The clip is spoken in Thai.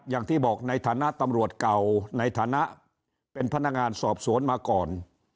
ในฐานะตำรวจเก่าในฐานะเป็นพนักงานสอบสวนมาก่อน